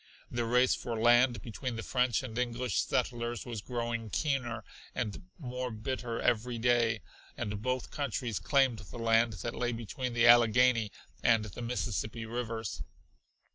The race for land between the French and English settlers was growing keener and more bitter every day, and both countries claimed the land that lay between the Allegheny and the Mississippi rivers.